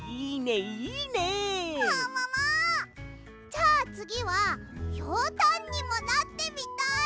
じゃあつぎはひょうたんにもなってみたい！